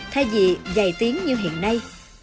thay vì dày tiếng như hiện nay